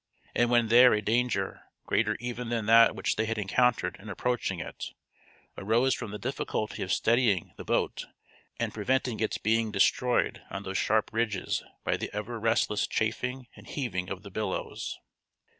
And when there a danger, greater even than that which they had encountered in approaching it, arose from the difficulty of steadying the boat and preventing its being destroyed on those sharp ridges by the ever restless chafing and heaving of the billows.